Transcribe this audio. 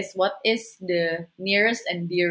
apa yang paling dekat dan terbaik